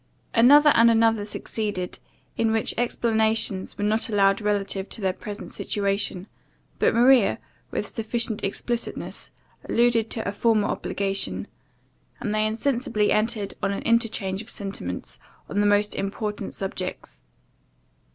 Another and another succeeded, in which explanations were not allowed relative to their present situation; but Maria, with sufficient explicitness, alluded to a former obligation; and they insensibly entered on an interchange of sentiments on the most important subjects.